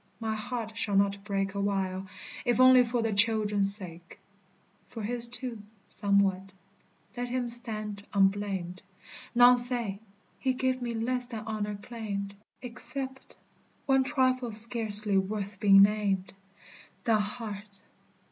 My heart shall not break Awhile, if only for the children's sake. For his, too, somewhat. Let him stand unblamed; None say, he gave me less than honor claimed, Except one trifle scarcely worth being named The heart.